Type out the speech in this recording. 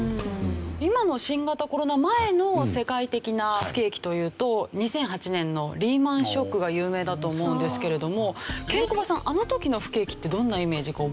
今の新型コロナ前の世界的な不景気というと２００８年のリーマンショックが有名だと思うんですけれどもケンコバさんあの時の不景気ってどんなイメージか覚えてますか？